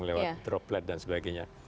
lewat droplet dan sebagainya